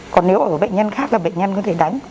còn nếu ở bệnh nhân khác là bệnh nhân có thể đánh